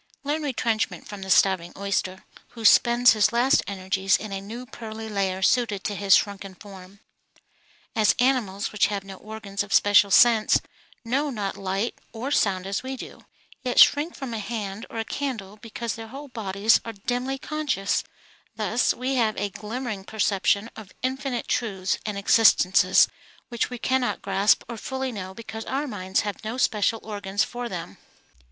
Learn retrenchment from the starving oyster, who spends his last energies in a new pearly layer suited to his shrunken form. As animals which have no organs of special sense know not light or sound as we do, yet shrink from a hand or candle because their whole bodies are dimly conscious, thus we have a glimmering perception of infinite truths and existences which we cannot grasp or fully know because our minds have no special organs for them.